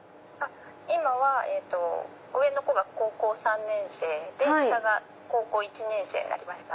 今は上の子が高校３年生で下が高校１年生になりました。